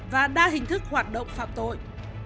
và đa hình thức hoạt động phạm tội